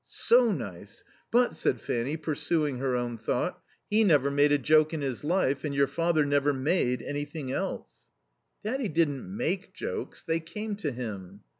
"So nice. But," said Fanny, pursuing her own thought, "he never made a joke in his life, and your father never made anything else." "Daddy didn't 'make' jokes. They came to him."